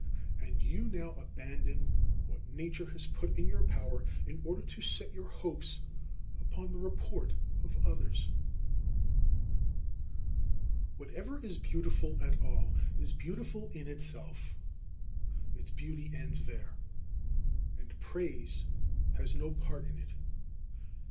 And you now abandon what nature has put in your power in order to set your hopes upon the report of others. 20. Whatever is beautiful at all is beautiful in itself. Its beauty ends there, and praise has no part in it.